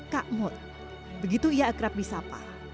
kak mut begitu ia akrab di sapa